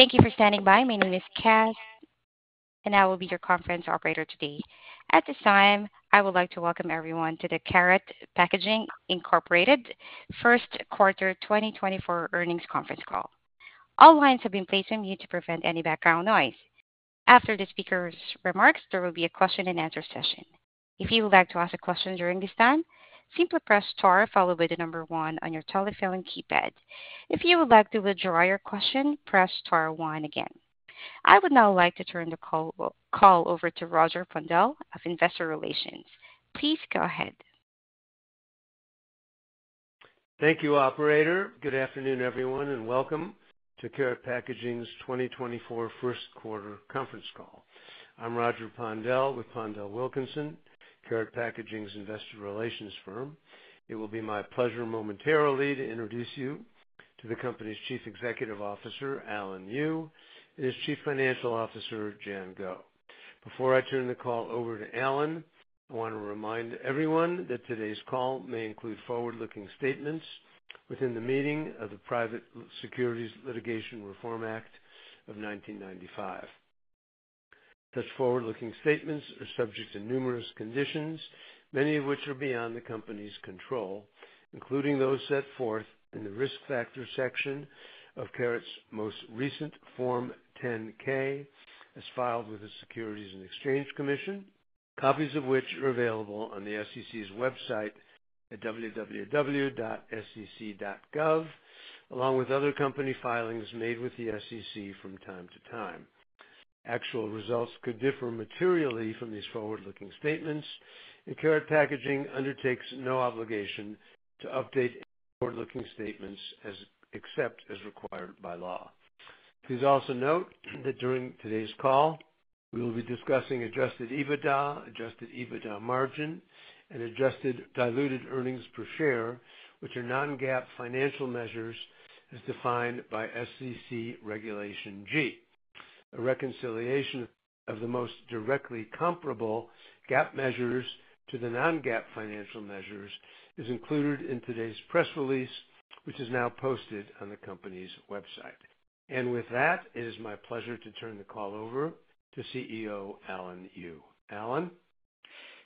Thank you for standing by. My name is Cass, and I will be your conference operator today. At this time, I would like to welcome everyone to the Karat Packaging Inc first quarter 2024 earnings conference call. All lines have been placed on mute to prevent any background noise. After the speaker's remarks, there will be a question-and-answer session. If you would like to ask a question during this time, simply press star followed by the number one on your telephone keypad. If you would like to withdraw your question, press star one again. I would now like to turn the call over to Roger Pondel of Investor Relations. Please go ahead. Thank you, operator. Good afternoon, everyone, and welcome to Karat Packaging's 2024 first quarter conference call. I'm Roger Pondel with PondelWilkinson, Karat Packaging's Investor Relations firm. It will be my pleasure momentarily to introduce you to the company's Chief Executive Officer, Alan Yu, and his Chief Financial Officer, Jian Guo. Before I turn the call over to Alan, I want to remind everyone that today's call may include forward-looking statements within the meaning of the Private Securities Litigation Reform Act of 1995. Such forward-looking statements are subject to numerous conditions, many of which are beyond the company's control, including those set forth in the risk factor section of Karat's most recent Form 10-K as filed with the Securities and Exchange Commission, copies of which are available on the SEC's website at www.SEC.gov, along with other company filings made with the SEC from time to time. Actual results could differ materially from these forward-looking statements, and Karat Packaging undertakes no obligation to update any forward-looking statements except as required by law. Please also note that during today's call, we will be discussing Adjusted EBITDA, adjusted EBITDA margin, and adjusted diluted earnings per share, which are non-GAAP financial measures as defined by SEC Regulation G. A reconciliation of the most directly comparable GAAP measures to the non-GAAP financial measures is included in today's press release, which is now posted on the company's website. With that, it is my pleasure to turn the call over to CEO Alan Yu. Alan?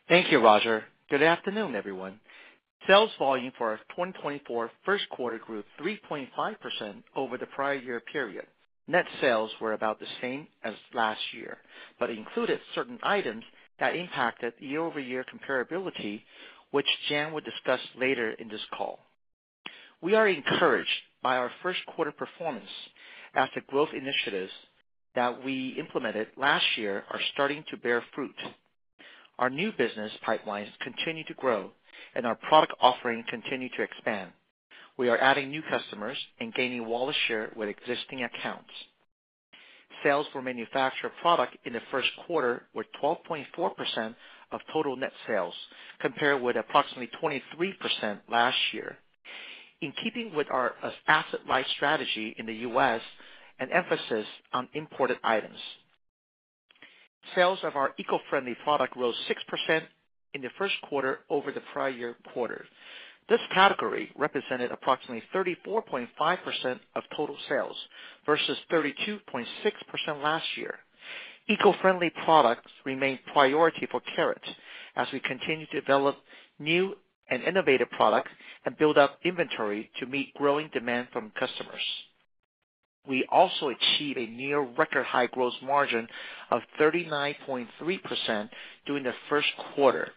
Thank you, Roger. Good afternoon, everyone. Sales volume for 2024 first quarter grew 3.5% over the prior year period. Net sales were about the same as last year, but included certain items that impacted year-over-year comparability, which Jian would discuss later in this call. We are encouraged by our first quarter performance as the growth initiatives that we implemented last year are starting to bear fruit. Our new business pipelines continue to grow, and our product offering continues to expand. We are adding new customers and gaining wallet share with existing accounts. Sales for manufactured product in the first quarter were 12.4% of total net sales, compared with approximately 23% last year, in keeping with our asset-light strategy in the U.S. and emphasis on imported items. Sales of our eco-friendly product rose 6% in the first quarter over the prior year quarter. This category represented approximately 34.5% of total sales versus 32.6% last year. Eco-friendly products remain priority for Karat as we continue to develop new and innovative products and build up inventory to meet growing demand from customers. We also achieved a near-record high gross margin of 39.3% during the first quarter.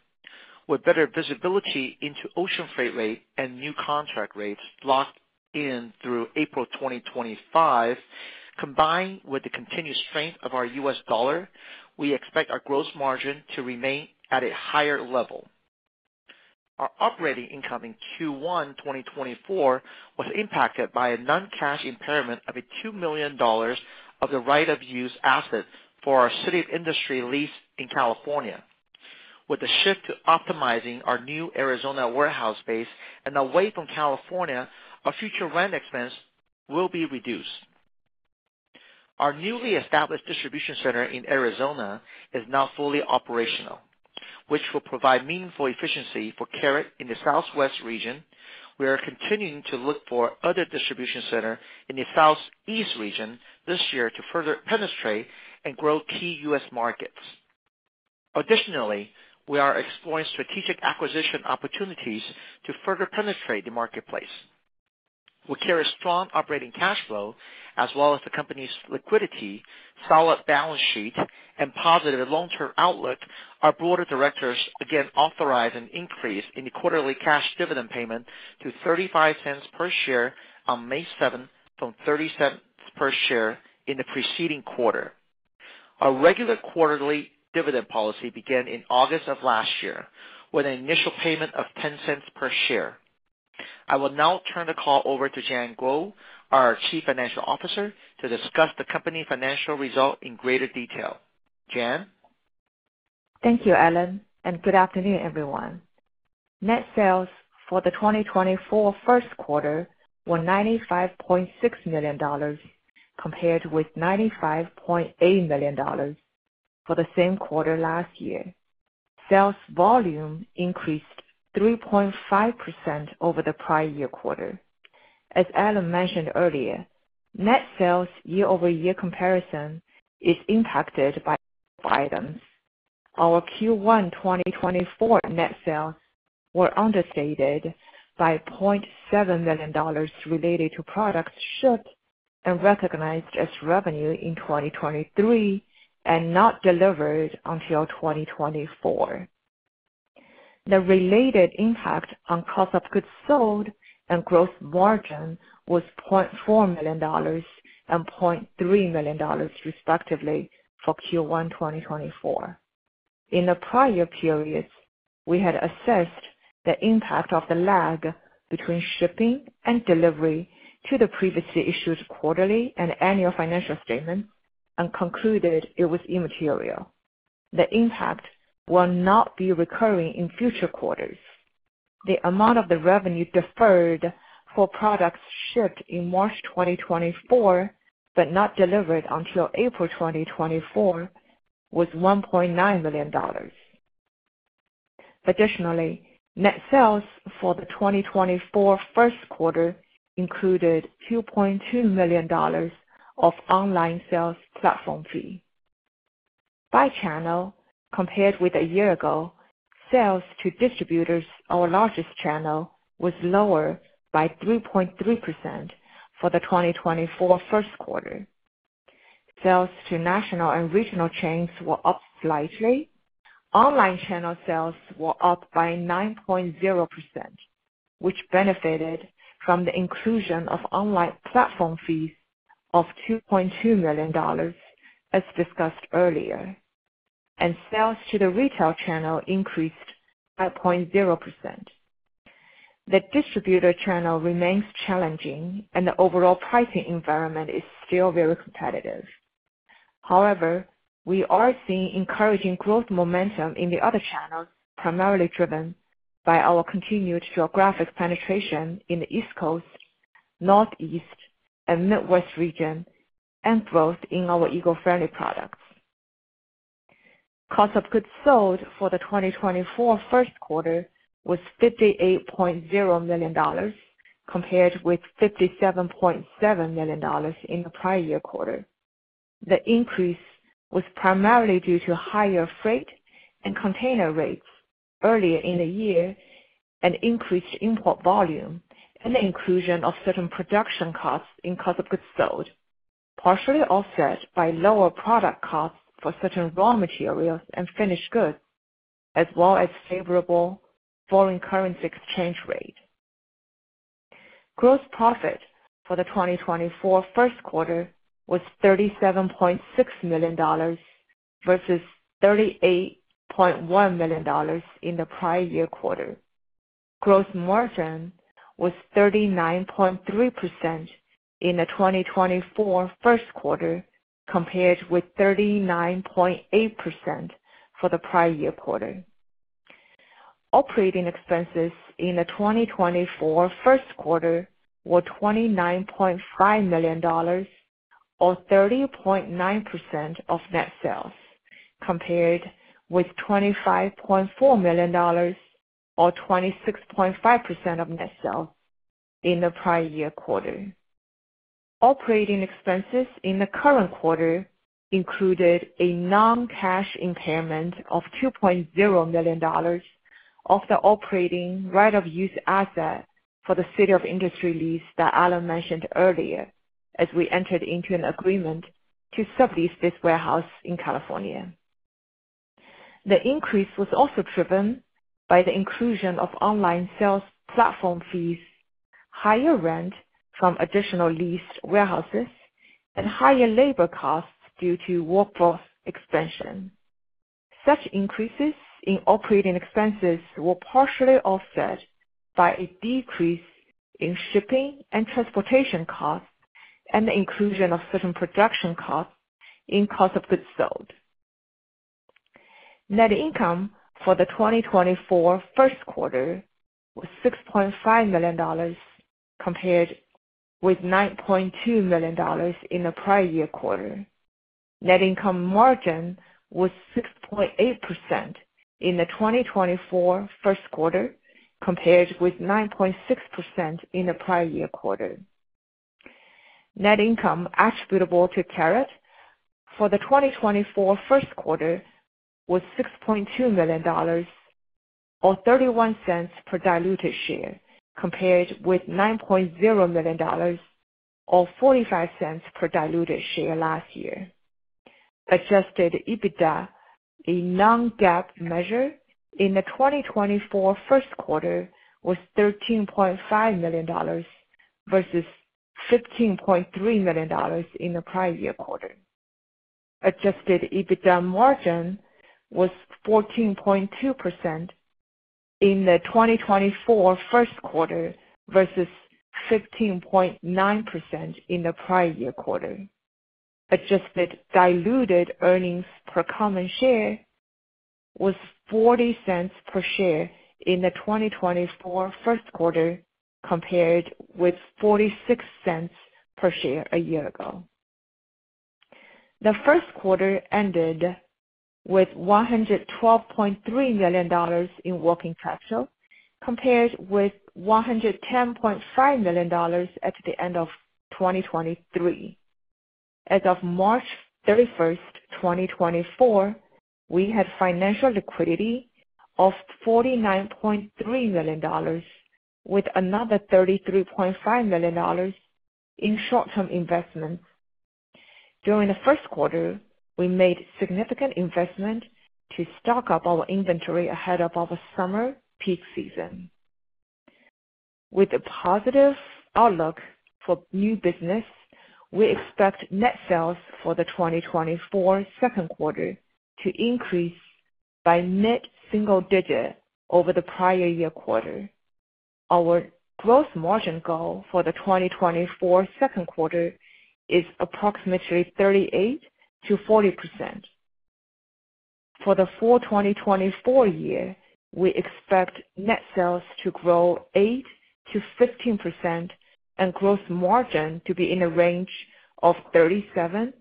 With better visibility into ocean freight rate and new contract rates locked in through April 2025, combined with the continued strength of our U.S. dollar, we expect our gross margin to remain at a higher level. Our operating income in Q1 2024 was impacted by a non-cash impairment of $2 million of the right-of-use asset for our City of Industry lease in California. With the shift to optimizing our new Arizona warehouse base and away from California, our future rent expense will be reduced. Our newly established distribution center in Arizona is now fully operational, which will provide meaningful efficiency for Karat in the Southwest region. We are continuing to look for other distribution centers in the Southeast region this year to further penetrate and grow key U.S. markets. Additionally, we are exploring strategic acquisition opportunities to further penetrate the marketplace. We carry strong operating cash flow, as well as the company's liquidity, solid balance sheet, and positive long-term outlook. Our board of directors again authorized an increase in the quarterly cash dividend payment to $0.35 per share on May 7th from $0.37 per share in the preceding quarter. Our regular quarterly dividend policy began in August of last year with an initial payment of $0.10 per share. I will now turn the call over to Jian Guo, our Chief Financial Officer, to discuss the company financial result in greater detail. Jian? Thank you, Alan, and good afternoon, everyone. Net sales for the 2024 first quarter were $95.6 million compared with $95.8 million for the same quarter last year. Sales volume increased 3.5% over the prior year quarter. As Alan mentioned earlier, net sales year-over-year comparison is impacted by items. Our Q1 2024 net sales were understated by $0.7 million related to products shipped and recognized as revenue in 2023 and not delivered until 2024. The related impact on cost of goods sold and gross margin was $0.4 million and $0.3 million, respectively, for Q1 2024. In the prior periods, we had assessed the impact of the lag between shipping and delivery to the previously issued quarterly and annual financial statements and concluded it was immaterial. The impact will not be recurring in future quarters. The amount of the revenue deferred for products shipped in March 2024 but not delivered until April 2024 was $1.9 million. Additionally, net sales for the 2024 first quarter included $2.2 million of online sales platform fee. By channel, compared with a year ago, sales to distributors, our largest channel, was lower by 3.3% for the 2024 first quarter. Sales to national and regional chains were up slightly. Online channel sales were up by 9.0%, which benefited from the inclusion of online platform fees of $2.2 million, as discussed earlier, and sales to the retail channel increased 5.0%. The distributor channel remains challenging, and the overall pricing environment is still very competitive. However, we are seeing encouraging growth momentum in the other channels, primarily driven by our continued geographic penetration in the East Coast, Northeast, and Midwest region, and growth in our eco-friendly products. Cost of goods sold for the 2024 first quarter was $58.0 million compared with $57.7 million in the prior year quarter. The increase was primarily due to higher freight and container rates earlier in the year, an increased import volume, and the inclusion of certain production costs in cost of goods sold, partially offset by lower product costs for certain raw materials and finished goods, as well as favorable foreign currency exchange rate. Gross profit for the 2024 first quarter was $37.6 million versus $38.1 million in the prior year quarter. Gross margin was 39.3% in the 2024 first quarter compared with 39.8% for the prior year quarter. Operating expenses in the 2024 first quarter were $29.5 million, or 30.9% of net sales, compared with $25.4 million, or 26.5% of net sales, in the prior year quarter. Operating expenses in the current quarter included a non-cash impairment of $2.0 million of the operating right-of-use asset for the City of Industry lease that Alan mentioned earlier as we entered into an agreement to sublease this warehouse in California. The increase was also driven by the inclusion of online sales platform fees, higher rent from additional leased warehouses, and higher labor costs due to workforce expansion. Such increases in operating expenses were partially offset by a decrease in shipping and transportation costs and the inclusion of certain production costs in cost of goods sold. Net income for the 2024 first quarter was $6.5 million compared with $9.2 million in the prior year quarter. Net income margin was 6.8% in the 2024 first quarter compared with 9.6% in the prior year quarter. Net income attributable to Karat for the 2024 first quarter was $6.2 million, or $0.31 per diluted share, compared with $9.0 million, or $0.45 per diluted share last year. Adjusted EBITDA, a non-GAAP measure, in the 2024 first quarter was $13.5 million versus $15.3 million in the prior year quarter. Adjusted EBITDA margin was 14.2% in the 2024 first quarter versus 15.9% in the prior year quarter. Adjusted diluted earnings per common share was $0.40 per share in the 2024 first quarter compared with $0.46 per share a year ago. The first quarter ended with $112.3 million in working capital compared with $110.5 million at the end of 2023. As of March 31st, 2024, we had financial liquidity of $49.3 million with another $33.5 million in short-term investments. During the first quarter, we made significant investments to stock up our inventory ahead of our summer peak season. With a positive outlook for new business, we expect net sales for the 2024 second quarter to increase by mid-single digit over the prior year quarter. Our gross margin goal for the 2024 second quarter is approximately 38%-40%. For the full 2024 year, we expect net sales to grow 8%-15% and gross margin to be in the range of 37%-40%.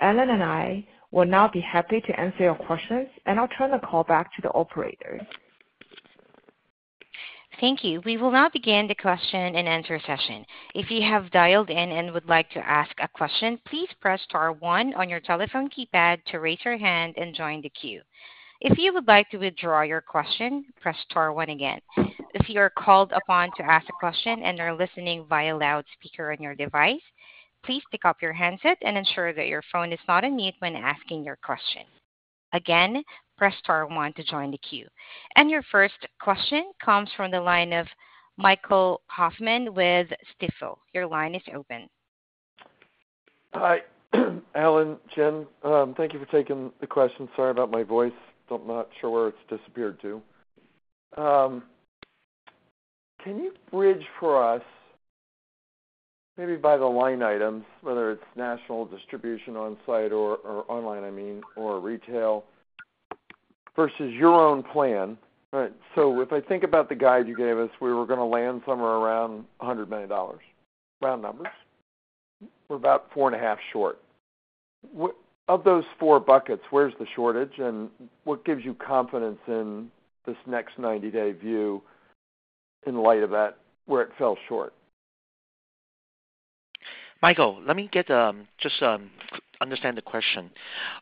Alan and I will now be happy to answer your questions, and I'll turn the call back to the operator. Thank you. We will now begin the question-and-answer session. If you have dialed in and would like to ask a question, please press star one on your telephone keypad to raise your hand and join the queue. If you would like to withdraw your question, press star one again. If you are called upon to ask a question and are listening via loudspeaker on your device, please pick up your handset and ensure that your phone is not on mute when asking your question. Again, press star one to join the queue. And your first question comes from the line of Michael Hoffman with Stifel. Your line is open. Hi, Alan. Jian, thank you for taking the question. Sorry about my voice. I'm not sure where it's disappeared to. Can you bridge for us, maybe by the line items, whether it's national distribution on-site or online, I mean, or retail, versus your own plan? All right. So if I think about the guide you gave us, we were going to land somewhere around $100 million, round numbers. We're about 4.5 short. Of those 4 buckets, where's the shortage, and what gives you confidence in this next 90-day view in light of where it fell short? Michael, let me just understand the question.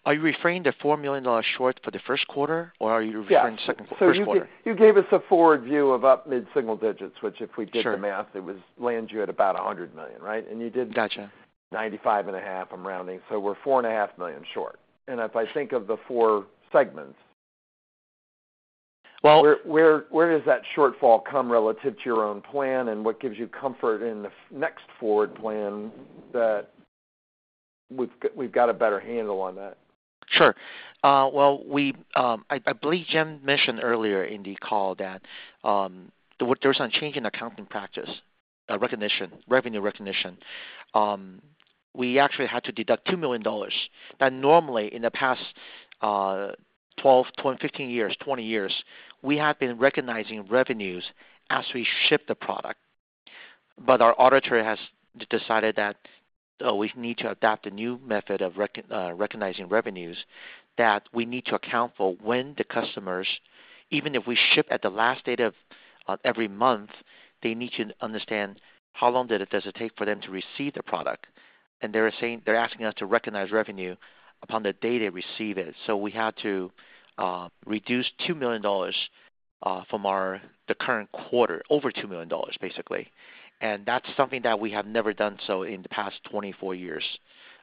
Are you referring to $4 million short for the first quarter, or are you referring to the first quarter? Yeah. So you gave us a forward view of up mid-single digits, which if we did the math, it would land you at about $100 million, right? And you did $95.5 million, I'm rounding. So we're $4.5 million short. And if I think of the four segments, where does that shortfall come relative to your own plan, and what gives you comfort in the next forward plan that we've got a better handle on that? Sure. Well, I believe Jian mentioned earlier in the call that there was some change in accounting practice, revenue recognition. We actually had to deduct $2 million that normally, in the past 12, 15 years, 20 years, we had been recognizing revenues as we shipped the product. But our auditor has decided that we need to adopt a new method of recognizing revenues that we need to account for when the customers, even if we ship at the last date of every month, they need to understand how long does it take for them to receive the product. And they're asking us to recognize revenue upon the day they receive it. So we had to reduce $2 million from the current quarter, over $2 million, basically. And that's something that we have never done so in the past 24 years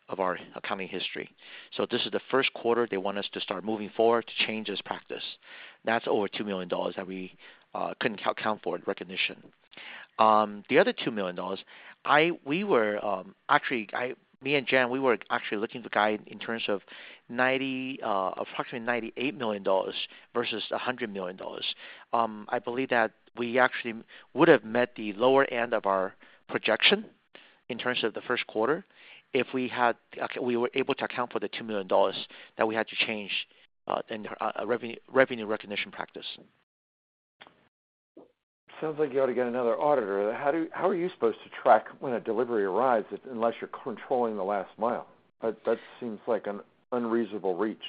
of our accounting history. So this is the first quarter they want us to start moving forward to change this practice. That's over $2 million that we couldn't account for in recognition. The other $2 million, actually, me and Jian, we were actually looking at the guide in terms of approximately $98 million versus $100 million. I believe that we actually would have met the lower end of our projection in terms of the first quarter if we were able to account for the $2 million that we had to change in revenue recognition practice. Sounds like you ought to get another auditor. How are you supposed to track when a delivery arrives unless you're controlling the last mile? That seems like an unreasonable reach.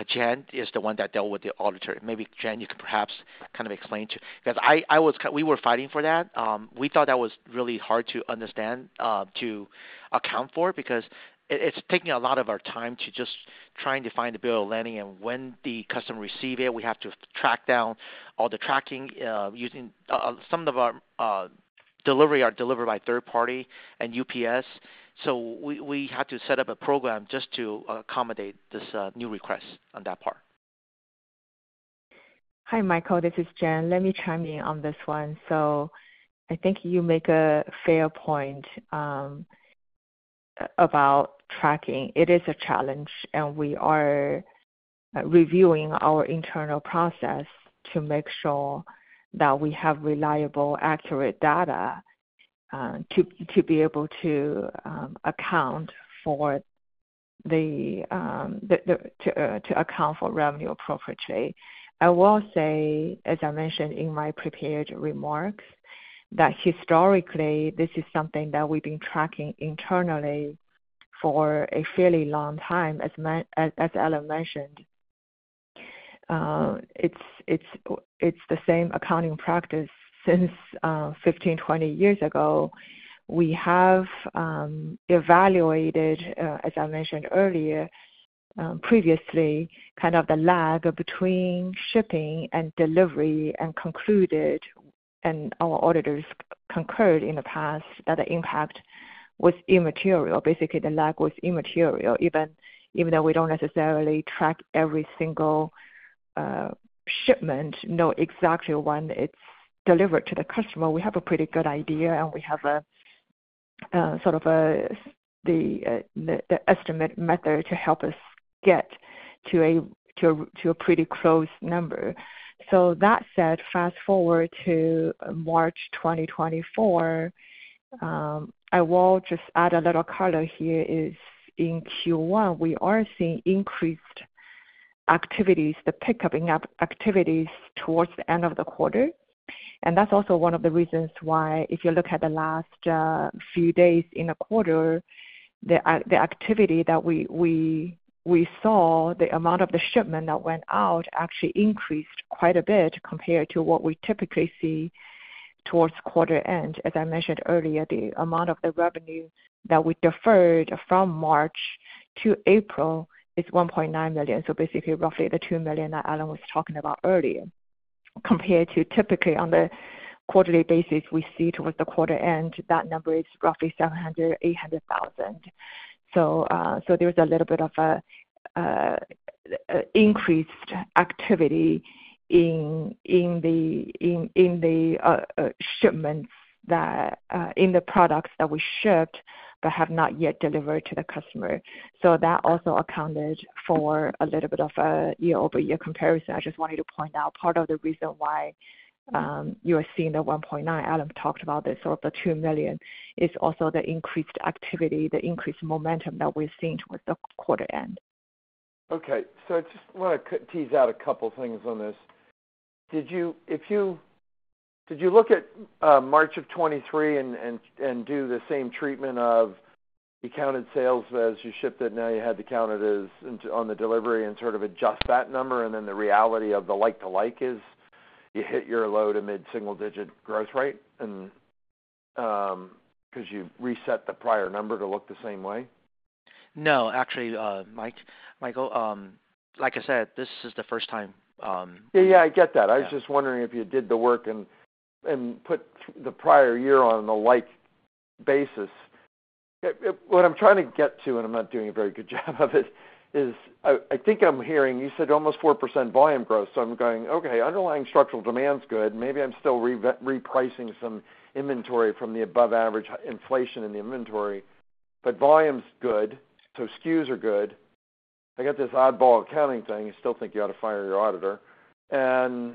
Jian is the one that dealt with the auditor. Maybe, Jian, you could perhaps kind of explain to because we were fighting for that. We thought that was really hard to understand, to account for, because it's taking a lot of our time to just trying to find the bill of lading. And when the customer receives it, we have to track down all the tracking. Some of our deliveries are delivered by third-party and UPS. So we had to set up a program just to accommodate this new request on that part. Hi, Michael. This is Jian. Let me chime in on this one. So I think you make a fair point about tracking. It is a challenge, and we are reviewing our internal process to make sure that we have reliable, accurate data to be able to account for revenue appropriately. I will say, as I mentioned in my prepared remarks, that historically, this is something that we've been tracking internally for a fairly long time. As Alan mentioned, it's the same accounting practice since 15, 20 years ago. We have evaluated, as I mentioned earlier, previously, kind of the lag between shipping and delivery and concluded, and our auditors concurred in the past, that the impact was immaterial. Basically, the lag was immaterial, even though we don't necessarily track every single shipment, know exactly when it's delivered to the customer. We have a pretty good idea, and we have sort of the estimate method to help us get to a pretty close number. So that said, fast forward to March 2024, I will just add a little color here. In Q1, we are seeing increased activities, the pickup activities, towards the end of the quarter. And that's also one of the reasons why, if you look at the last few days in the quarter, the activity that we saw, the amount of the shipment that went out actually increased quite a bit compared to what we typically see towards quarter end. As I mentioned earlier, the amount of the revenue that we deferred from March to April is $1.9 million. So basically, roughly the $2 million that Alan was talking about earlier. Compared to typically, on the quarterly basis, we see towards the quarter end, that number is roughly 700,000-800,000. So there's a little bit of an increased activity in the shipments that in the products that we shipped but have not yet delivered to the customer. So that also accounted for a little bit of a year-over-year comparison. I just wanted to point out part of the reason why you are seeing the $1.9 million. Alan talked about the sort of the $2 million. It's also the increased activity, the increased momentum that we're seeing towards the quarter end. Okay. So I just want to tease out a couple of things on this. Did you look at March of 2023 and do the same treatment of you counted sales as you shipped it, and now you had to count it on the delivery and sort of adjust that number? And then the reality of the like-to-like is you hit your low to mid-single digit growth rate because you reset the prior number to look the same way? No, actually, Michael. Like I said, this is the first time. Yeah, yeah. I get that. I was just wondering if you did the work and put the prior year on a like basis. What I'm trying to get to, and I'm not doing a very good job of it, is I think I'm hearing you said almost 4% volume growth. So I'm going, "Okay. Underlying structural demand's good. Maybe I'm still repricing some inventory from the above-average inflation in the inventory. But volume's good. So SKUs are good. I got this oddball accounting thing. I still think you ought to fire your auditor." And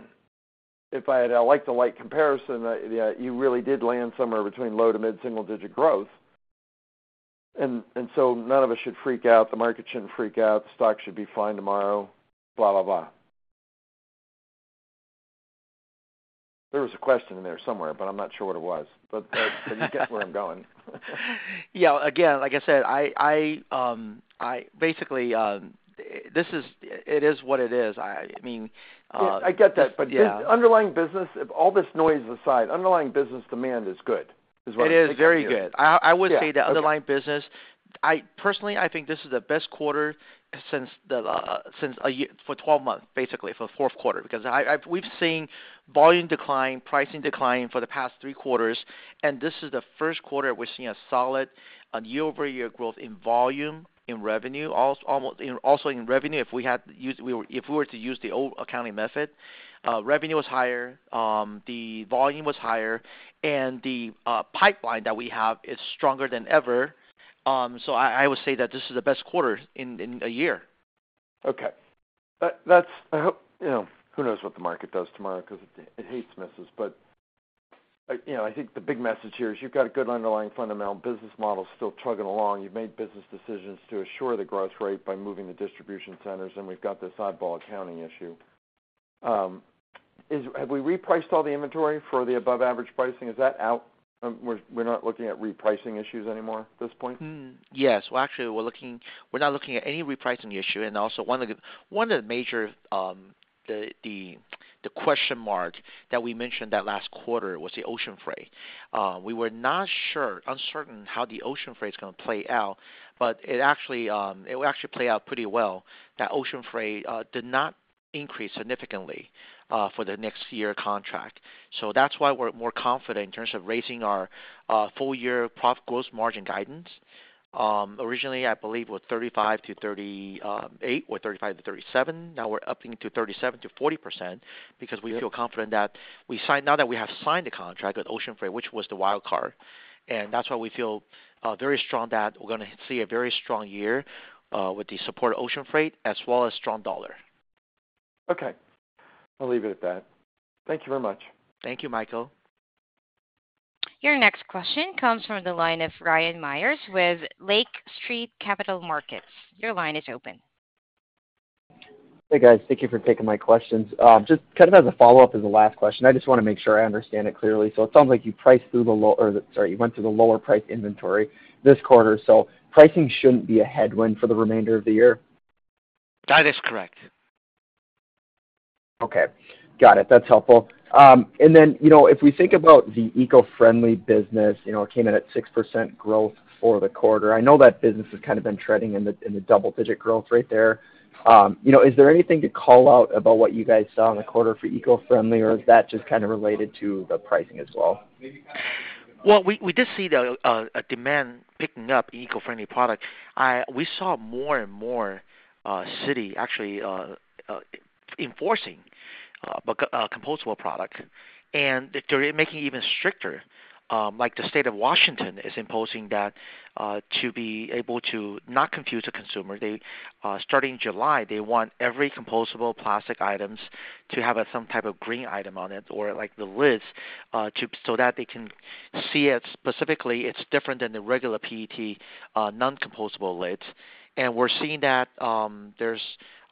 if I had a like-to-like comparison, you really did land somewhere between low to mid-single digit growth. And so none of us should freak out. The market shouldn't freak out. The stock should be fine tomorrow, blah, blah, blah. There was a question in there somewhere, but I'm not sure what it was. But you get where I'm going. Yeah. Again, like I said, basically, it is what it is. I mean. I get that. But underlying business, all this noise aside, underlying business demand is good is what I'm saying. It is very good. I would say that underlying business, personally, I think this is the best quarter since a year for 12 months, basically, for the fourth quarter because we've seen volume decline, pricing decline for the past three quarters. This is the first quarter we're seeing a solid year-over-year growth in volume, in revenue, also in revenue. If we had to use if we were to use the old accounting method, revenue was higher. The volume was higher. The pipeline that we have is stronger than ever. I would say that this is the best quarter in a year. Okay. Who knows what the market does tomorrow because it hates misses? But I think the big message here is you've got a good underlying fundamental business model still chugging along. You've made business decisions to assure the growth rate by moving the distribution centers. And we've got this oddball accounting issue. Have we repriced all the inventory for the above-average pricing? Is that out? We're not looking at repricing issues anymore at this point? Yes. Well, actually, we're not looking at any repricing issue. And also, one of the major question marks that we mentioned that last quarter was the ocean freight. We were uncertain how the ocean freight is going to play out. But it actually played out pretty well. That ocean freight did not increase significantly for the next year contract. So that's why we're more confident in terms of raising our full-year profit growth margin guidance. Originally, I believe, it was 35%-38% or 35%-37%. Now we're upping to 37%-40% because we feel confident that we signed now that we have signed the contract with ocean freight, which was the wild card. And that's why we feel very strong that we're going to see a very strong year with the support of ocean freight as well as strong dollar. Okay. I'll leave it at that. Thank you very much. Thank you, Michael. Your next question comes from the line of Ryan Meyers with Lake Street Capital Markets. Your line is open. Hey, guys. Thank you for taking my questions. Just kind of as a follow-up to the last question, I just want to make sure I understand it clearly. So it sounds like you priced through the lower or sorry, you went through the lower-priced inventory this quarter. So pricing shouldn't be a headwind for the remainder of the year? That is correct. Okay. Got it. That's helpful. Then if we think about the eco-friendly business, it came in at 6% growth for the quarter. I know that business has kind of been trending in the double-digit growth right there. Is there anything to call out about what you guys saw in the quarter for eco-friendly, or is that just kind of related to the pricing as well? Well, we did see, though, a demand picking up in eco-friendly product. We saw more and more cities actually enforcing compostable product and making it even stricter. The state of Washington is imposing that to be able to not confuse the consumer. Starting July, they want every compostable plastic item to have some type of green item on it or the lids so that they can see it specifically. It's different than the regular PET non-compostable lids. And we're seeing that there's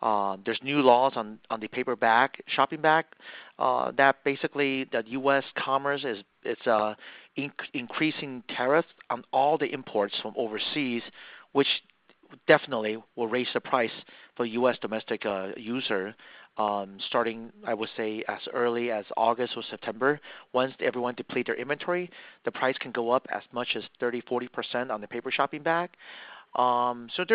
new laws on the paper bag shopping bag that basically the U.S. Commerce is increasing tariffs on all the imports from overseas, which definitely will raise the price for U.S. domestic user starting, I would say, as early as August or September. Once everyone depletes their inventory, the price can go up as much as 30%-40% on the paper bag shopping bag. So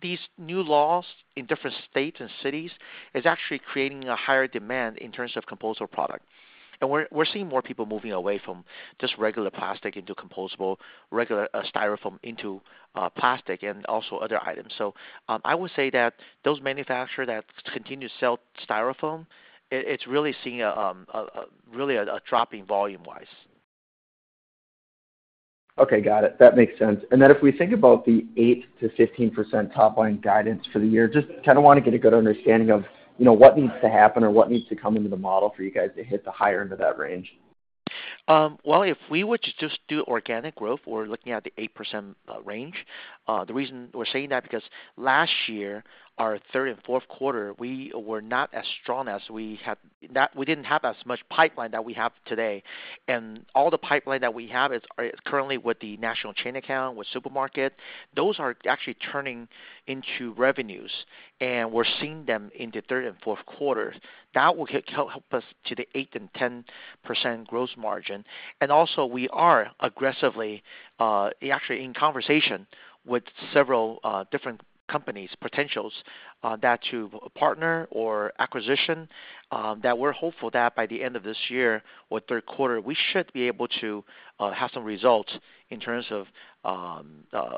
these new laws in different states and cities is actually creating a higher demand in terms of compostable product. And we're seeing more people moving away from just regular plastic into compostable, regular Styrofoam into plastic, and also other items. So I would say that those manufacturers that continue to sell Styrofoam, it's really seeing really a drop in volume-wise. Okay. Got it. That makes sense. Then if we think about the 8%-15% top-line guidance for the year, just kind of want to get a good understanding of what needs to happen or what needs to come into the model for you guys to hit the higher end of that range. Well, if we were to just do organic growth, we're looking at the 8% range. The reason we're saying that is because last year, our third and fourth quarter, we were not as strong as we didn't have as much pipeline that we have today. And all the pipeline that we have is currently with the national chain account, with supermarkets. Those are actually turning into revenues. And we're seeing them in the third and fourth quarters. That will help us to the 8%-10% growth margin. And also, we are aggressively, actually, in conversation with several different companies, potentials to partner or acquisition that we're hopeful that by the end of this year, third quarter, we should be able to have some results in terms of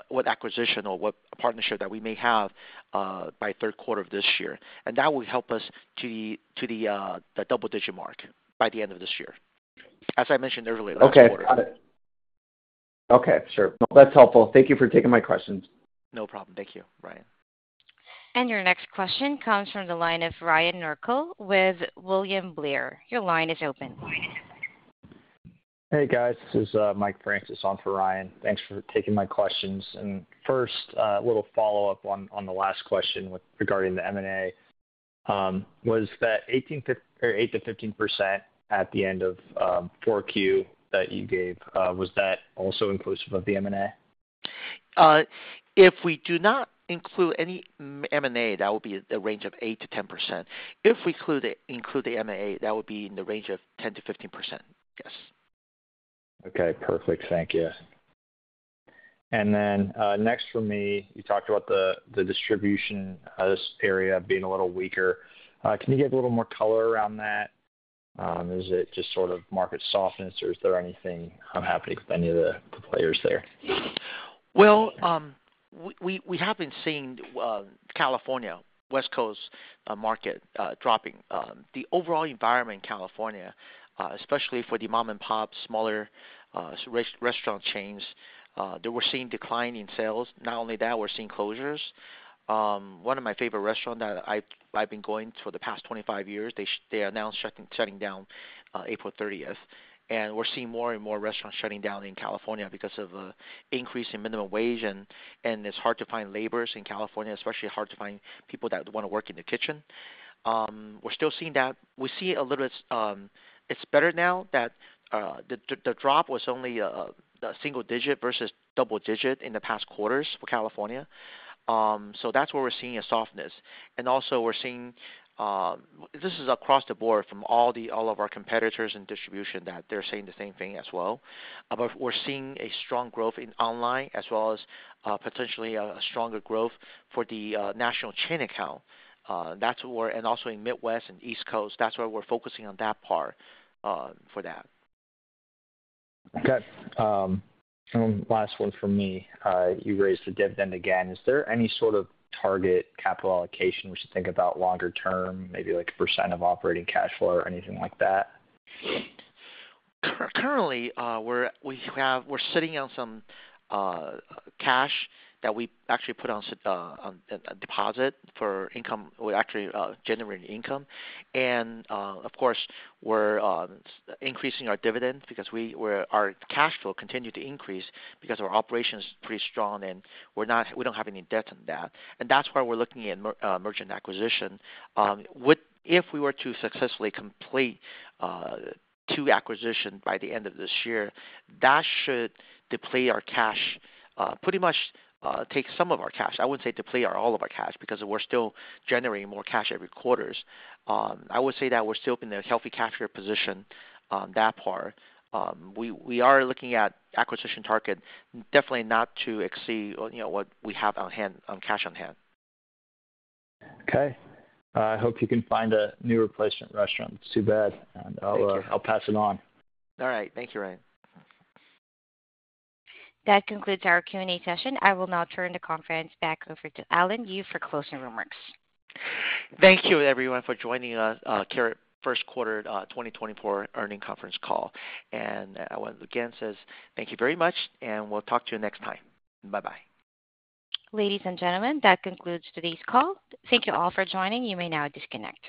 what acquisition or what partnership that we may have by third quarter of this year. That will help us to the double-digit mark by the end of this year, as I mentioned earlier, last quarter. Okay. Got it. Okay. Sure. Well, that's helpful. Thank you for taking my questions. No problem. Thank you, Ryan. And your next question comes from the line of Ryan Merkel with William Blair. Your line is open. Hey, guys. This is Mike Francis on for Ryan. Thanks for taking my questions. First, a little follow-up on the last question regarding the M&A was that 8%-15% at the end of 4Q that you gave, was that also inclusive of the M&A? If we do not include any M&A, that would be the range of 8%-10%. If we include the M&A, that would be in the range of 10%-15%, yes. Okay. Perfect. Thank you. And then next for me, you talked about the distribution area being a little weaker. Can you give a little more color around that? Is it just sort of market softness, or is there anything unhappy with any of the players there? Well, we have been seeing California, West Coast market dropping. The overall environment in California, especially for the mom-and-pop, smaller restaurant chains, they were seeing decline in sales. Not only that, we're seeing closures. One of my favorite restaurants that I've been going to for the past 25 years, they announced shutting down April 30th. And we're seeing more and more restaurants shutting down in California because of an increase in minimum wage. And it's hard to find laborers in California, especially hard to find people that want to work in the kitchen. We're still seeing that. We see it a little bit. It's better now that the drop was only a single digit versus double-digit in the past quarters for California. So that's where we're seeing a softness. Also, we're seeing this, is across the board from all of our competitors in distribution that they're saying the same thing as well. But we're seeing a strong growth in online as well as potentially a stronger growth for the national chain account. Also in Midwest and East Coast, that's where we're focusing on that part for that. Okay. Last one from me. You raised the dividend again. Is there any sort of target capital allocation we should think about longer term, maybe a percent of operating cash flow or anything like that? Currently, we're sitting on some cash that we actually put on deposit for income actually generating income. Of course, we're increasing our dividend because our cash flow continued to increase because our operation is pretty strong. We don't have any debt on that. That's why we're looking at mergers and acquisition. If we were to successfully complete 2 acquisitions by the end of this year, that should deplete our cash pretty much take some of our cash. I wouldn't say deplete all of our cash because we're still generating more cash every quarter. I would say that we're still in a healthy cash flow position on that part. We are looking at acquisition target definitely not to exceed what we have on hand, cash on hand. Okay. I hope you can find a new replacement restaurant. Too bad. I'll pass it on. All right. Thank you, Ryan. That concludes our Q&A session. I will now turn the conference back over to Alan Yu for closing remarks. Thank you, everyone, for joining us, Karat first quarter 2024 earnings conference call. I want to again say thank you very much. We'll talk to you next time. Bye-bye. Ladies and gentlemen, that concludes today's call. Thank you all for joining. You may now disconnect.